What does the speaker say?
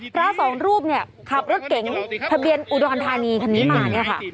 พระสองรูปเนี่ยขับรถเก๋งทะเบียนอุดรธานีคันนี้มาเนี่ยค่ะ